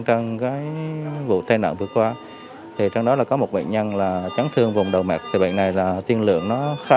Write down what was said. trong vụ thai nạn vừa qua trong đó có một bệnh nhân chấn thương vùng đầu mạch bệnh này tiên lượng khá